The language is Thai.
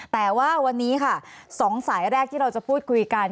แต่ว่าวันนี้ค่ะ๒สายแรกที่เราจะพูดคุยกัน